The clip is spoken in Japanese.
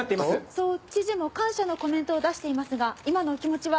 そう知事も感謝のコメントを出していますが今のお気持ちは？